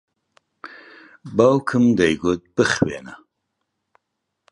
باوکم دەیگوت بخوێنە.